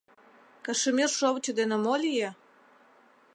Кашемир шовыч дене мо лие?